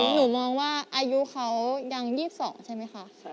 หนูมองว่าอายุเขายัง๒๒ใช่ไหมคะ